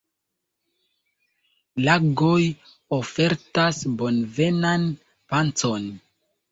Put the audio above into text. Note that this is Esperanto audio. Lagoj ofertas bonvenan pacon.